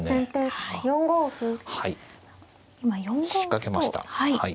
仕掛けましたはい。